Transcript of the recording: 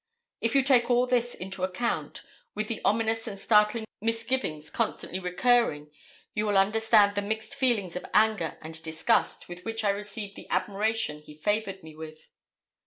If you take all this into account, with the ominous and startling misgivings constantly recurring, you will understand the mixed feelings of anger and disgust with which I received the admiration he favoured me with.